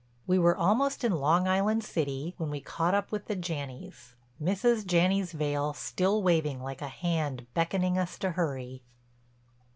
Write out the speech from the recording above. We were almost in Long Island City when we caught up with the Janneys, Mrs. Janney's veil still waving like a hand beckoning us to hurry.